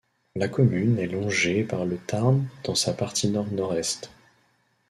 La commune est longée par le Tarn dans sa partie nord-nord-est.